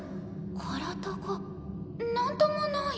体がなんともない。